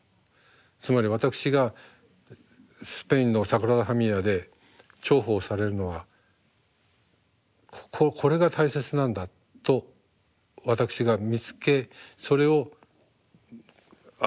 つまり私がスペインのサグラダ・ファミリアで重宝されるのは「これが大切なんだ」と私が見つけそれを表してる。